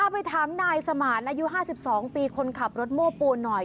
ไปถามนายสมานอายุ๕๒ปีคนขับรถโม้ปูนหน่อย